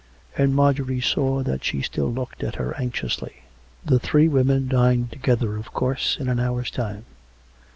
And Marjorie saw that she still looked at her anxiously. The three women dined together, of course, in an hour's time.